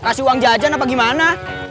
kasih uang jajan apa gimana